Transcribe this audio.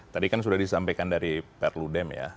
tadi kan sudah disampaikan dari perludem ya